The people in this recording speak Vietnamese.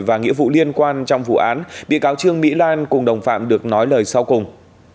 và nghĩa vụ liên quan trong vụ án bị cáo trương mỹ lan cùng đồng phạm được nói lời sau cùng